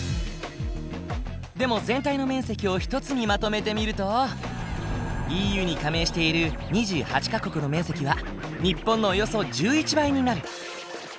でも全体の面積を１つにまとめてみるとＥＵに加盟している２８か国の面積は日本のおよそ１１倍になる。